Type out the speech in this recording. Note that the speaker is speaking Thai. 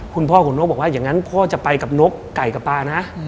คุณพ่อของนกบอกว่าอย่างนั้นพ่อจะไปกับนกไก่กับปลานะ